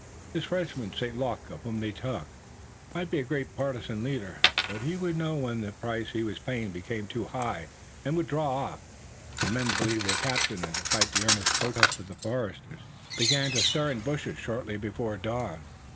This Frenchman, St. Luc, of whom they talked, might be a great partisan leader, but he would know when the price he was paying became too high, and would draw off. The men believed their captain, and, despite the earnest protest of the foresters, began to stir in the bushes shortly before dawn.